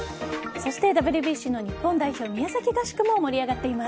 そしてＷＢＣの日本代表宮崎合宿も盛り上がっています。